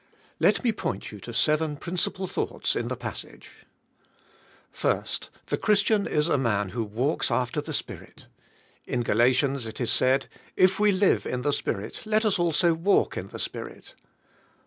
Let me point you to seven principal thoughts in the passage. 1. The Christian is a man who walks after the Spirit. In Galatians it is said, '' If we live in the Spirit let us also walk in the Spirit."